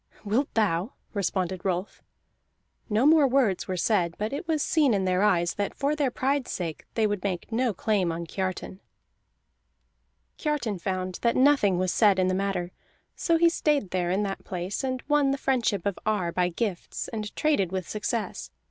"Wilt thou?" responded Rolf. No more words were said, but it was seen in their eyes that for their pride's sake they would make no claim on Kiartan. Kiartan found that nothing was said in the matter; so he stayed there in the place, and won the friendship of Ar by gifts, and traded with success.